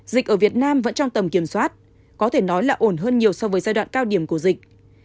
dịch ở việt nam vẫn trong tầm kiểm soát có thể nói là ổn hơn nhiều so với giai đoạn cao điểm của dịch